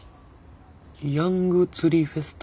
ヤング釣りフェスタ？